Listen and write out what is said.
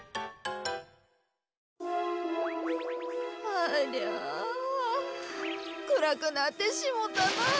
ありゃあくらくなってしもうたなあ。